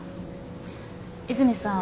和泉さん